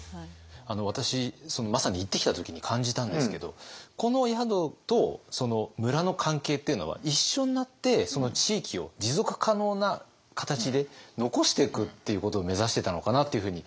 私まさに行ってきた時に感じたんですけどこの宿と村の関係っていうのは一緒になってその地域を持続可能な形で残していくっていうことを目指してたのかなというふうに。